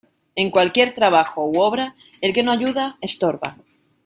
En cualquier trabajo u obra, el que no ayuda estorba.